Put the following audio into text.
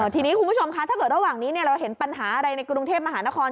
ทีนี้คุณผู้ชมคะถ้าเกิดระหว่างนี้เราเห็นปัญหาอะไรในกรุงเทพมหานคร